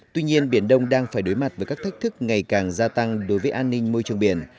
tuy nhiên biển đông đang phải đối mặt với các thách thức ngày càng gia tăng đối với an ninh môi trường biển